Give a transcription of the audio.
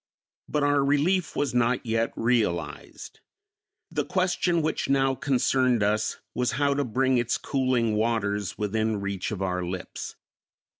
But our relief was not yet realized; the question which now concerned us was how to bring its cooling waters within reach of our lips.